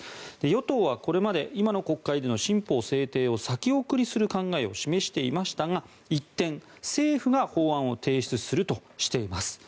与党はこれまで今の国会での新法制定を先送りする考えを示していましたが一転、政府が法案を提出するとしています。